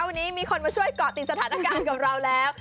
วันนี้มีคนมาช่วยเกาะติดสถานการณ์กับเราแล้ว